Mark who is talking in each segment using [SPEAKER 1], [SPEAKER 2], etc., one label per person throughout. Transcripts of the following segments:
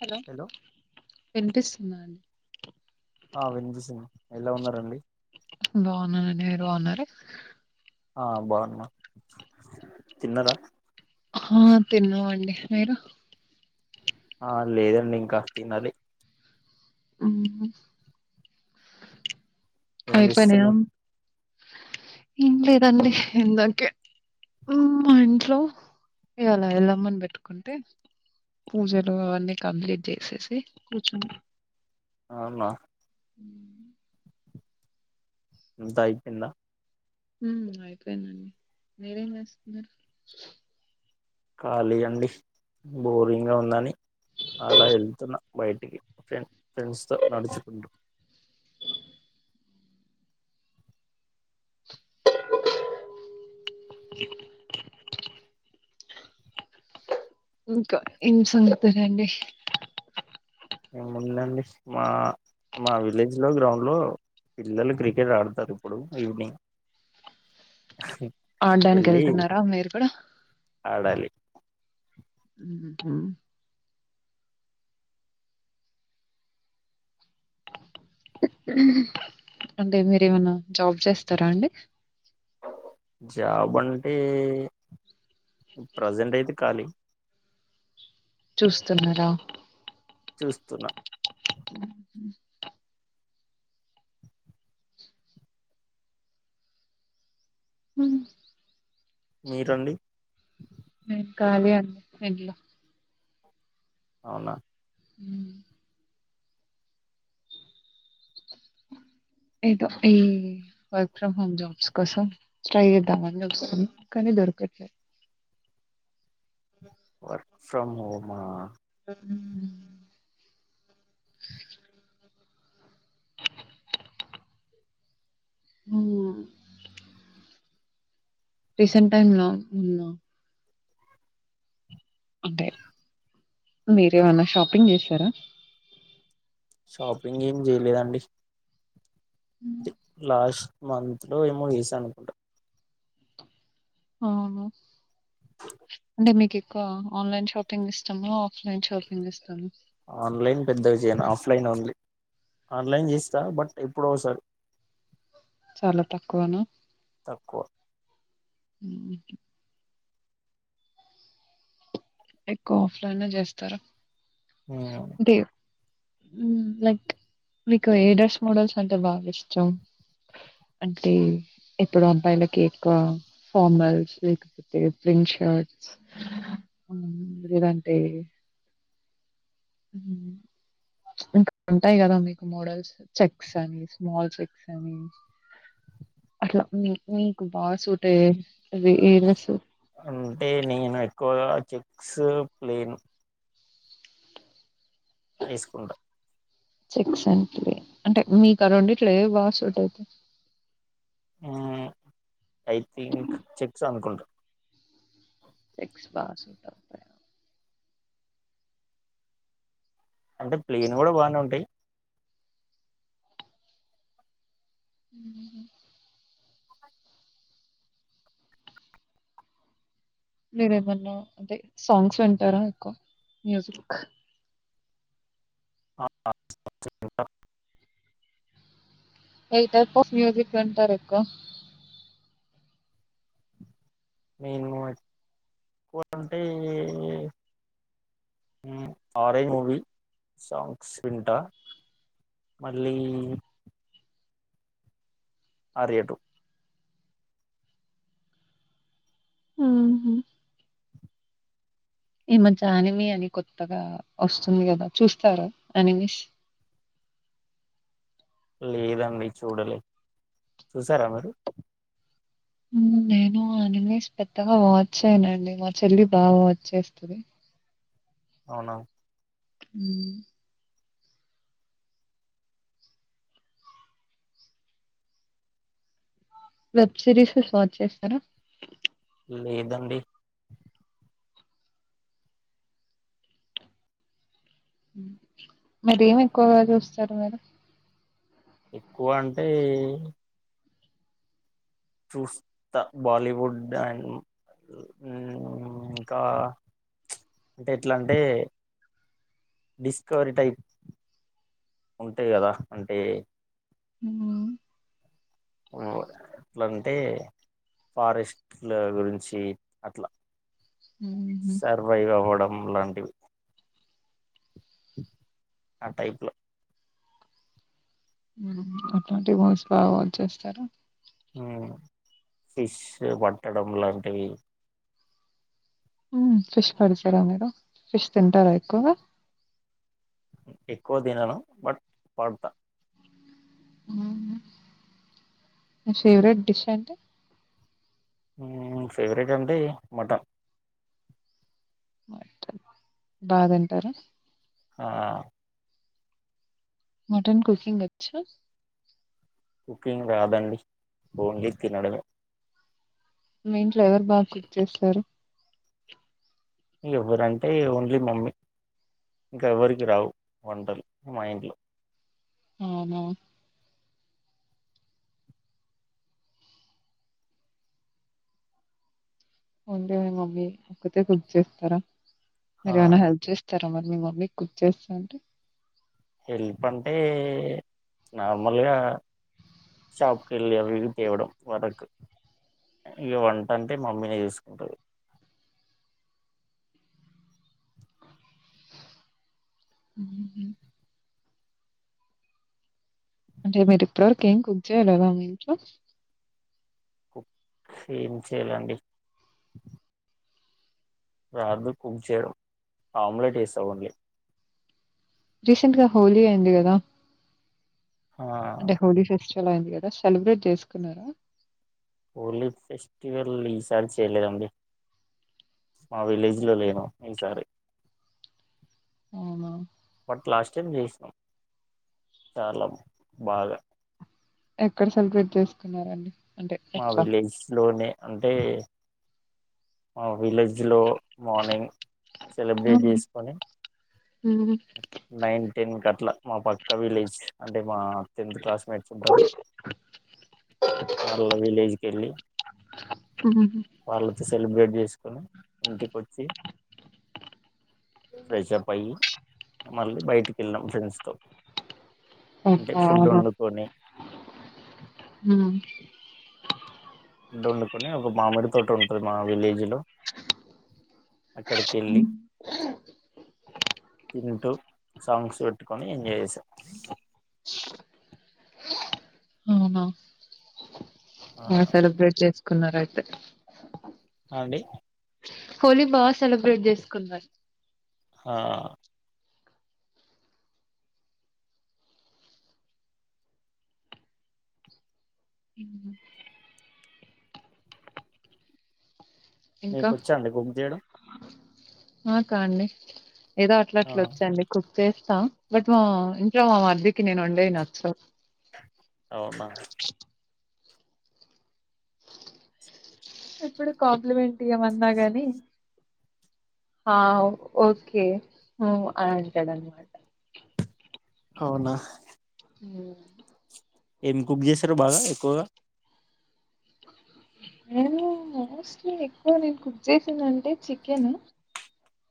[SPEAKER 1] Hello వినిపిస్తు
[SPEAKER 2] ఆ వినిపిస్తుంది ఎలా ఉన్నారండి
[SPEAKER 1] బాగున్నానండి మీరు బాగున్నారా
[SPEAKER 2] ఆ బాగున్నాం తిన్నారా
[SPEAKER 1] ఆ తిన్నామండి మీరు
[SPEAKER 2] ఆ లేదండి ఇంకా తినాలి
[SPEAKER 1] మ్ హూ
[SPEAKER 2] ఏం చేస్తున్నావ్.
[SPEAKER 1] ఇంలేదండి ఇందాకే ఉమ్ మా ఇంట్లో ఇవ్వాళ ఎల్లమ్మని పెట్టుకుంటే పూజలు అవన్నీ కంప్లీట్ చేసేసి కూర్చు
[SPEAKER 2] అవునా
[SPEAKER 1] ఉమ్
[SPEAKER 2] అంత అయిపైయిందా
[SPEAKER 1] ఉ అయిపోయిందండి మీరేం చేస్తున్నారు
[SPEAKER 2] ఖాళీ అండి బోరింగ్ గా ఉందని అలా ఎల్తున్నా బయటికి ఫ్రెం ఫ్రెండ్స్తో నడుచుకుంటు
[SPEAKER 1] ఇంకా ఏం సంగతూలులండి
[SPEAKER 2] ఏముందండి మా మా విలేజ్ లో గ్రౌండ్ లో పిల్లలు క్రికెట్ ఆడతారు ఇప్పుడు ఈవినింగ్
[SPEAKER 1] ఆడడానికి
[SPEAKER 2] వెళ్ళి
[SPEAKER 1] వెళ్తున్నారా మీరు కూడా
[SPEAKER 2] ఆడాలి
[SPEAKER 1] మ్ హు అంటే మీరేమన్న జాబ్ చేస్తారా అండి
[SPEAKER 2] బంటే ప్రజెంట్ అయితే ఖాళీ
[SPEAKER 1] చూస్తున్నారా
[SPEAKER 2] చూస్తున్నా
[SPEAKER 1] హూ
[SPEAKER 2] మీరండి
[SPEAKER 1] మేం ఖాళీ అంది ఇంట్లో
[SPEAKER 2] అవునా
[SPEAKER 1] ఉమ్ ఏదో ఈ వర్క్ ఫ్రమ్ హోమ్ జాబ్స్ కోసం ట్రై చేద్దామని చూస్తూన్న కానీ దొర్కట్ లే
[SPEAKER 2] వర్క్ ఫ్రమ్ హోమా
[SPEAKER 1] మ్మ్ ఉమ్ రీసెంట్ టైమ్ ల ఉన్న అంటే మీరేమన్నా షాపింగ్ చేశారా
[SPEAKER 2] షాపింగ్ ఏం చేయలేదండి చే లాస్ట్ మంత్ లో ఏమో చేశాను అనుకుంటా
[SPEAKER 1] అవును అంటే మీకి ఒక ఆన్లైన్ షాపింగ్ ఇష్టమా ఆఫ్ లైన్ షాపింగ్ ఇష్టమా
[SPEAKER 2] ఆన్లైన్ పెద్దగా జెయ్యాను ఆఫ్లైన్ ఓన్లీ ఆన్లైన్ చేస్తా బట్ ఎప్పుడో ఒసారి
[SPEAKER 1] చాలా తక్కువనా
[SPEAKER 2] తక్కువ
[SPEAKER 1] ఉ [unintelligible] ఎక్కువ ఆఫ్లైనే చేస్తారా
[SPEAKER 2] హ
[SPEAKER 1] మ్ లైక్ మీకు ఏ డ్రెస్ మోడల్స్ అంటే బాగా ఇష్టం అంటే ఇప్పుడు అబ్బాయిలకి ఎక్కువ ఫార్మల్స్ లేకపోతే ప్రిన్ షర్ట్స్ ఉం లేదంటే మ్ ఇంకా ఉంటాయి కదా మీకు మోడల్స్ చెక్స్ అని స్మాల్ చెక్స్ అని అట్లా మీ మీకు బాగా సూట అయ్య
[SPEAKER 2] అంటే నేను ఎక్కువగా చెక్స్ ప్లేను వేసుకుంటా
[SPEAKER 1] చెక్స్ అట్ అంటే మీకు రండి ఇట్లా బాగా సూట్ అయితే
[SPEAKER 2] ఐ థింక్ చెక్స్ అనుకుంట
[SPEAKER 1] క్ బస్
[SPEAKER 2] అంటే ప్లేన్ కూడా బానే ఉంటాయి
[SPEAKER 1] హ మీరేమన్నా అంటే సాంగ్స్ వింటారా ఎక్కువ మ్యూజిక్ ఏ టైప్ ఆఫ్ మ్యూజిక్ అంటారు ఎకు
[SPEAKER 2] నేను ఎక్కువ అంటే ఆరంజ్ మూవి సాంగ్స్ వింటా మళ్ళీ ఆర్య ట్వ
[SPEAKER 1] ఆ ఈ మధ్య ఆనిమీ అని కొత్తగా వస్తుంది కదా చూస్తారు అనిమీస్
[SPEAKER 2] లేదండి చూడలే చూసారా మీరు
[SPEAKER 1] హ్మ్. నేను ఆ నస్ పెద్దగా వాచ్ చేయనండి మా చెల్లి బాగా వాచ్ చేస్తుంది
[SPEAKER 2] అవునా
[SPEAKER 1] హ వెబ్ సిరీస్ వాచ్ చేస్తారా
[SPEAKER 2] లేదండి
[SPEAKER 1] మర ఏమి ఎక్కువగా చూస్తారు మీరు
[SPEAKER 2] ఎక్కువ అంటే చూస్తా బాలీవుడ్ అండ్ ఇంకా అంటే ఎట్లా అంటే డిస్కవరీ టైప్ ఉంటాయి కదా అంటే
[SPEAKER 1] అ
[SPEAKER 2] ఎట్లాంటే ఫారెస్ట్ల గురించి అట్లా
[SPEAKER 1] హుహు.
[SPEAKER 2] సర్వైవ్ అవ్వడం లాంటివి ఆ టైపులో
[SPEAKER 1] అట్లాంటివి మోస్ బాచ్చేస్తారుా
[SPEAKER 2] ఫిష్ వంటడం లాంటివి
[SPEAKER 1] ఫిష్ పడుతారా మీరు ఫిష్ తింటారా ఎక్కువ
[SPEAKER 2] ఎక్కువ తినను బట్ పాడతా
[SPEAKER 1] ఫేవరెట్ డిష్ అంట
[SPEAKER 2] ఫేవరెట్ అంటే మటన్
[SPEAKER 1] మ బా తింటారు
[SPEAKER 2] ఆ
[SPEAKER 1] మటన్ కుకింగ్ వచ్చ
[SPEAKER 2] కుకింగ్ రాదండి ఓన్లీ తినడమే
[SPEAKER 1] మీ ఇట్లో ఎవరు బాగా కుక్ చేస్తారు
[SPEAKER 2] ఎవరంటే ఓన్లీ మమ్మీ ఇంకా ఎవ్వరికి రావు వంటలు మా ఇంట్లో
[SPEAKER 1] అవును ఉండే మమ్మీ ఒకక్కత కుక్ చేస్తారా
[SPEAKER 2] ఆ
[SPEAKER 1] మీరు ఏమైనా హెల్ప్ చేస్తారా మరి మీ మమ్మీ కుర్చ చేస్తా అంటడి
[SPEAKER 2] హెల్ప్ అంటే నార్మల్గా షాప్ క వెళ్ళకి తవడం వరకు ఇక వంట అంటే మమ్మీని చూసుకుంటది
[SPEAKER 1] ఆ [unintelligible] అంటే మీరు ఇప్పటి వరకు ఏం కుక్ చేయాలదా మీ ఇంట్లో
[SPEAKER 2] కుక్ ఏం చేయాలండి రాదు కుక్ చేయడం ఆమ్లెట్ వేసావున్లీ
[SPEAKER 1] రీసెంట్ గా హోలీ అయింది కదా
[SPEAKER 2] ఆ
[SPEAKER 1] అంటే హోలీ ఫెస్టివల్ అయింది కదా సెలబ్రేట్ చేసుకున్నారా
[SPEAKER 2] పోలీ ఫెస్టివల్ ఈసారి చేలేండి మా విలేజ్ లో లేదు ఈసారి
[SPEAKER 1] అవునా
[SPEAKER 2] లాస్ట్ టైం చేసాం చాలా బాగా
[SPEAKER 1] ఎక్కడ సెలబ్రేట్ చేసుకున్నారండి అంటే
[SPEAKER 2] మా
[SPEAKER 1] ఎట్లా?
[SPEAKER 2] విలేజ్ లోనే అంటే మా విలేజ్ లో మార్నింగ్ సెలబ్రేట్
[SPEAKER 1] అవును.
[SPEAKER 2] చేసుకొని
[SPEAKER 1] హ్మ్.
[SPEAKER 2] టెన్ కి మా పక్క విలేజ్ అంటే మా క్లాస్ మేట్స్ ఉంటారు వాళ్ళ విలేజ్కి వెళ్ళి
[SPEAKER 1] హుహు.
[SPEAKER 2] వాళ్ళతో సెలబ్రేట్ చేసి కుని ఇంటిక వచ్చి ఫ్రెష్ప్ అయ్యి మళ్ళీ బయటికి వెళ్ళాం ఫ్రెండ్స్ తో అంటే
[SPEAKER 1] ఓహో!
[SPEAKER 2] ఫుడ్
[SPEAKER 1] అవునా?
[SPEAKER 2] వండుకొని
[SPEAKER 1] హ్మ్.
[SPEAKER 2] ఫుడ్ వండుకొని ఒక మామిడి తోటి ఉంటుది మా విలేజ్ లో హ అక్కడికి వెళ్ళి
[SPEAKER 1] హ్మ్.
[SPEAKER 2] తింటూ సాంగ్స్ పెట్టుకొని ఎంజాయ్ చేసాం
[SPEAKER 1] అవునా
[SPEAKER 2] ఆ
[SPEAKER 1] సెలబ్రేట్ చేసుకున్నారుయితే
[SPEAKER 2] అవుండి
[SPEAKER 1] హోలీ బాగా సెలబ్రేట్ చేసుకున్నారు
[SPEAKER 2] ఆ
[SPEAKER 1] ఉ
[SPEAKER 2] మీకు వచ్చాండి పప్పు చేయడం
[SPEAKER 1] ఆ కాండి ఏదో అట్లా
[SPEAKER 2] ఆ
[SPEAKER 1] అట్లా వచ్చండి చేస్తా బట్ మా ఇంట్లో మా మరిది నేను వండే నచ్చ
[SPEAKER 2] అవునా
[SPEAKER 1] ఇప్పుడు కాంప్లిమెంటీ ఏమన్నా గాని హ ఓకే అ అంటాడ అన్నమాట
[SPEAKER 2] అవునా
[SPEAKER 1] హమ్
[SPEAKER 2] ఏమి కుక్ చేశారు బాగా ఎక్కువగా [unintelligible]
[SPEAKER 1] నేను మోస్ట్లీ ఎక్కువ నేను కుక్ చేసింది అంటే చికెన్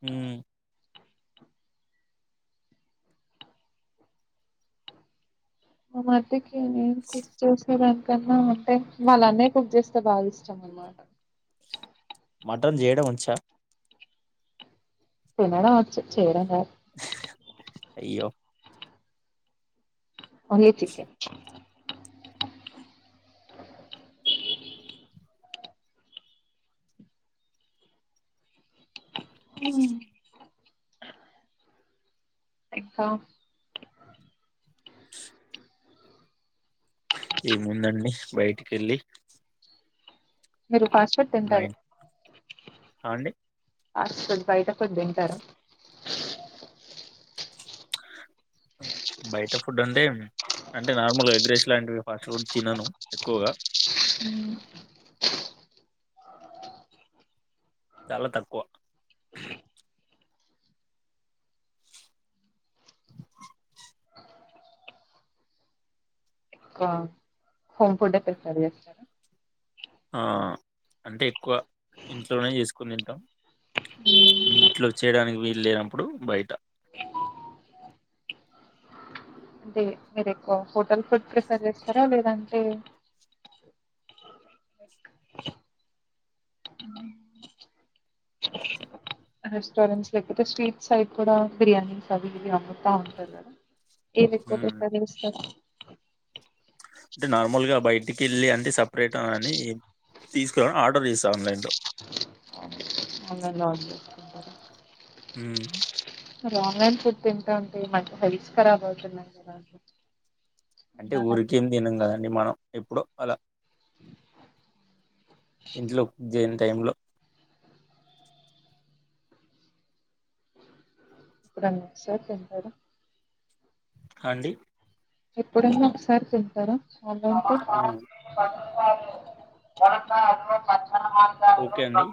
[SPEAKER 2] మ్
[SPEAKER 1] మా మరిదికి నేను కుక్ చేసేదనికన్నా అంటే వాళ్ల అన్నయ్య కుక్ చేస్తే బాగా ఇష్టం మాట
[SPEAKER 2] మటన్ చేయడం వచ్చా
[SPEAKER 1] తినడం వచ్చు చేయడం రాదు
[SPEAKER 2] అయ్యో
[SPEAKER 1] ఓన్లీ చికెన్ ఉ ఇక్కా
[SPEAKER 2] ఏముందండి బయటికి వెళ్ళి
[SPEAKER 1] మీరు ఫాస్టుగా తింటారు
[SPEAKER 2] ఆ అండి
[SPEAKER 1] అ కొ బయట ఫుడ్ తింటారా
[SPEAKER 2] బయట ఫుడ్ అంటే అంటే నార్మల్గా ఎగ్ రైస్ లాంటివి ఫాస్ట్ ఫుడ్ తినను ఎక్కువగా
[SPEAKER 1] హ్మ్.
[SPEAKER 2] చాలా తక్కువ
[SPEAKER 1] ఇంకా హోమ్ ఫుడ్డే ప్రిఫర్ చేస్తారా
[SPEAKER 2] ఆ అంటే ఎక్కువ ఇంట్లోనే చేసుకుని తింటాం ఇంట్లో చేయడానికి వీలు లేనప్పుడు బయట
[SPEAKER 1] అంటే మీరు ఎక్కువ హోటల్ ఫుడ్ ప్రిఫర్ చేస్తారా లేదంటే రెస్టారెంట్స్ లేకపోతే స్ట్రీట్ సైడ్ కూడా బిర్యానీస్ అవి ఇవి అమ్ముతా ఉంటారు కదా ఏది ఎక్కువ
[SPEAKER 2] హ్మ్.
[SPEAKER 1] ప్రిఫర్ చేస్తారు
[SPEAKER 2] అంటే నార్మల్గా బయటికి వెళ్ళి అంటే సపరేట్ అని తీసుకుని ఆర్డర్ చేస్తా ఆన్లైన్లో
[SPEAKER 1] ఆన్లైన్లో ఆర్డర్ చేసుకుంటారా
[SPEAKER 2] ఉ
[SPEAKER 1] మరి ఆన్లైన్ ఫుడ్ తింటాంటే మంచి హెల్త్ కరాబ్ అవుతుంది కదా
[SPEAKER 2] అంటే
[SPEAKER 1] నా-
[SPEAKER 2] ఊరికేం తినం కదండి మనం ఎప్పుడో అలా ఇంట్లో జెన్ టైంలో
[SPEAKER 1] రెండు నిమిషాలు తింటారు
[SPEAKER 2] హాండీ
[SPEAKER 1] ఎప్పుడైనా ఒకసారి తింటారా ఆన్లైన్లో
[SPEAKER 2] ఆ! ఓకే అండి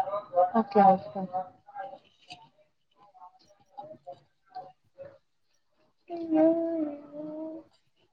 [SPEAKER 1] [unintelligible] ఒకే [unintelligible] అయ్యో అయ్యో